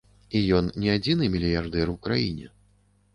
І ён не адзіны мільярдэр у краіне.